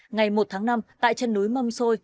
ngày một tháng năm tại chân núi mâm xôi